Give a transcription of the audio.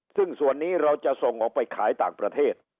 ซึ่งส่วนนี้เราจะส่งออกไปขายต่างประเทศ